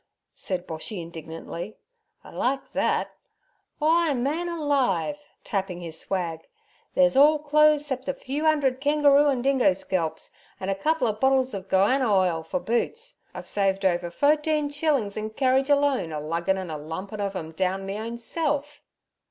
said Boshy indignantly. 'I like thet. W'y, man alive'—tapping his swag—' thet's orl clo'es 'cep a few 'undred kengeroo an' dingo scalps, an'a couple o' bottles ov goanna ile fer boots. I've saved over fo'teen shillin' in kerridge alone, a luggin' an' a lumpin' ov' em down me own self.'